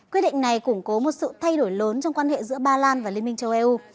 quyết định này củng cố một sự thay đổi lớn trong quan hệ giữa ba lan và liên minh châu âu